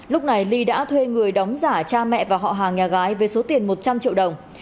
lúc này ly đã thuê người đóng giả cha mẹ và họ hàng nhà gái với số tiền một trăm linh triệu đồng